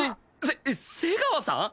せ瀬川さん！？